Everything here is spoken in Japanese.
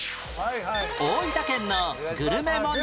大分県のグルメ問題